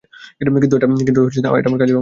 কিন্তু এটা আমার কাজের অংশ ছিল।